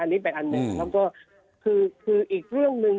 อันนี้เป็นอันหนึ่งแล้วก็คืออีกเรื่องหนึ่ง